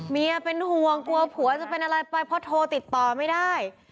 เมียเป็นห่วงกลัวผัวจะเป็นอะไรไปเพราะโทรติดต่อไม่ได้